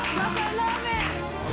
ラーメン！